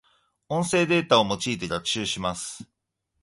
音声データを用いて学習します。